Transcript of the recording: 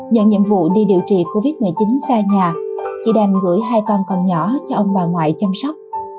nhận nhiệm vụ đi điều trị covid một mươi chín xa nhà chị đành gửi hai con còn nhỏ cho ông bà ngoại chăm sóc